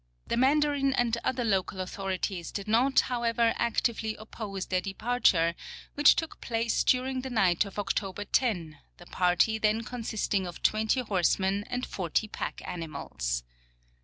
The mandarin and other local authorities did not, however, actively oppose their departure, which took place during the night of October 10, the party then consisting of 20 horsemen and 40 pack animals.